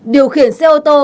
điều khiển xe ô tô